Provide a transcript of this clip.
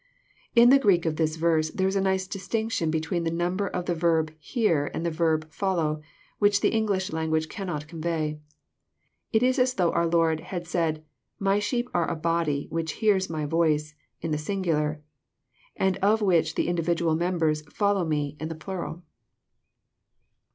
In the Greek of this verse, there is a nice distinction between the number of the verb "hear" and the verb "follow," which the English language cannot convey. It is as though our Lord had said. My sheep are a body, which " fiears " my voice, in the singular; and of which the individual members ^^foUoto" Me, in the plural.